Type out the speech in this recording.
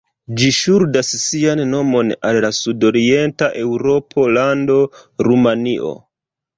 Ĝi ŝuldas sian nomon al la sud-orienta eŭropa lando Rumanio.